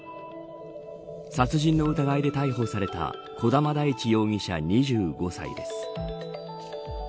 殺人の疑いで逮捕された児玉大地容疑者、２５歳です。